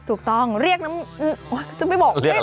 ถูกต้องเรียกน้ำจะไปบอก